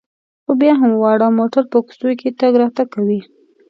خو بیا هم واړه موټر په کوڅو کې تګ راتګ کوي.